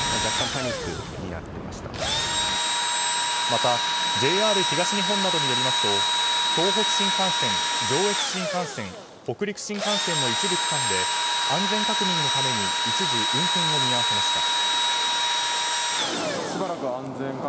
またＪＲ東日本などによりますと東北新幹線、上越新幹線北陸新幹線の一部区間で安全確認のために一時、運転を見合わせました。